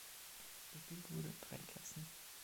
Gespielt wurde in drei Klassen.